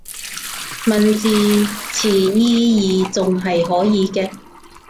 問字詞意義仲係可以嘅